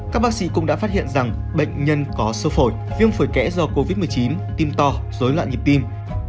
các bác sĩ cũng đã phát hiện rằng bệnh nhân có sơ phổi viêm phổi kẽ do covid một mươi chín tim to dối loạn nhịp tim